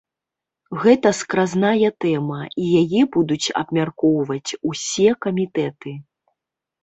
Гэта скразная тэма, і яе будуць абмяркоўваць усе камітэты.